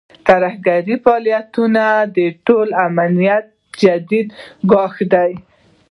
ترهګریز فعالیتونه د ټولنې امنیت ته جدي ګواښ دی.